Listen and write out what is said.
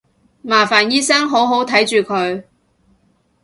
麻煩醫生好好睇住佢